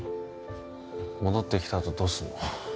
戻ってきたあとどうすんの？